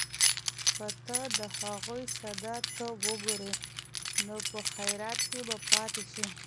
که ته د هغوی ساده توب وګورې، نو په حیرت کې به پاتې شې.